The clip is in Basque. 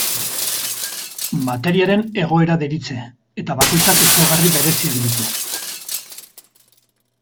Materiaren egoera deritze, eta bakoitzak ezaugarri bereziak ditu.